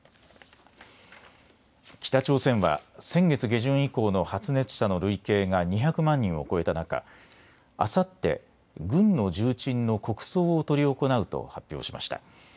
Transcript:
北朝鮮は先月下旬以降の発熱者の累計が２００万人を超えた中、あさって、軍の重鎮の国葬を執り行うと発表しました。